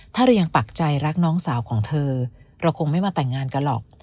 ถ้าเรายังปักใจรักน้องสาวของเธอเราคงไม่มาแต่งงานกันหรอก